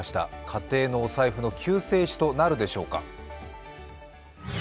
家庭のお財布の救世主となるでしょうか。